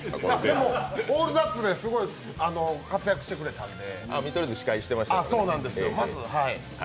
でも、「オールザッツ」ですごい活躍してましたので。